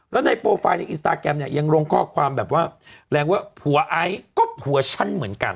แล้วในโปรไฟล์ในอินสตาแกรมเนี่ยยังลงข้อความแบบว่าแรงว่าผัวไอซ์ก็ผัวฉันเหมือนกัน